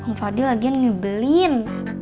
bang fadil lagi yang nyebelin